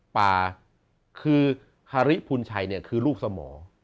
ป่าคือฮาริพุนชัยเนี่ยคือลูกสมอง